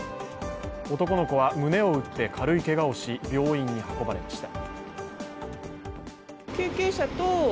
男の子は胸を打って軽いけがをし病院に運ばれました。